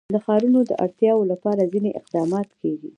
د ښارونو د اړتیاوو لپاره ځینې اقدامات کېږي.